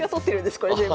これ全部。